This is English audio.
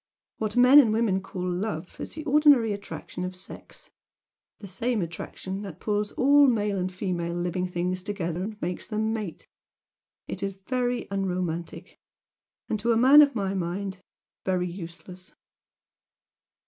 What men and women call 'love' is the ordinary attraction of sex, the same attraction that pulls all male and female living things together and makes them mate. It is very unromantic! And to a man of my mind, very useless."